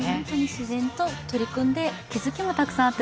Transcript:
自然と取り組んで、気づきもたくさんあって